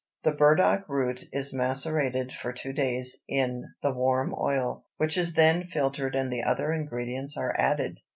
The burdock root is macerated for two days in the warm oil, which is then filtered and the other ingredients are added.